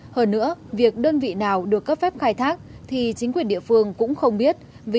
hơn nữa việc đơn vị nào được cấp phép khai thác thì chính quyền địa phương cũng không biết